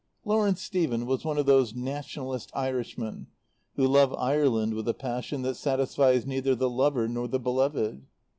Lawrence Stephen was one of those Nationalist Irishmen who love Ireland with a passion that satisfies neither the lover nor the beloved.